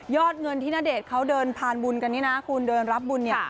เงินที่ณเดชน์เขาเดินผ่านบุญกันนี่นะคุณเดินรับบุญเนี่ย